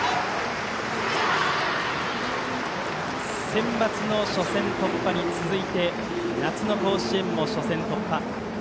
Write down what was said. センバツの初戦突破に続いて夏の甲子園も初戦突破。